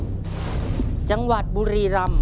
ถ้าพร้อมแล้วเรามาดูคำถามทั้ง๕เรื่องพร้อมกันเลยครับ